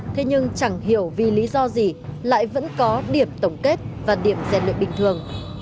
thế nhưng chẳng hiểu vì lý do gì lại vẫn có điểm tổng kết và điểm gian luyện bình thường